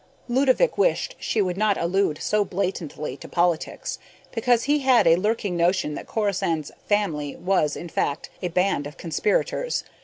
Ludovick wished she would not allude so blatantly to politics, because he had a lurking notion that Corisande's "family" was, in fact, a band of conspirators